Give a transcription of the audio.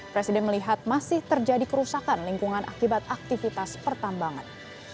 presiden melihat masih terjadi kerusakan lingkungan akibat aktivitas pertambangan